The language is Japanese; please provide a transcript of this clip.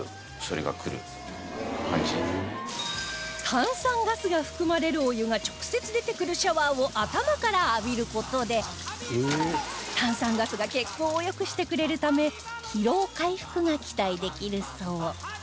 炭酸ガスが含まれるお湯が直接出てくるシャワーを頭から浴びる事で炭酸ガスが血行を良くしてくれるため疲労回復が期待できるそう